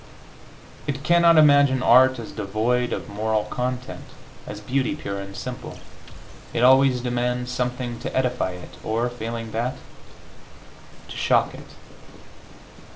It cannot imagine art as devoid of moral content, as beauty pure and simple. It always demands something to edify it, or, failing that, to shock it.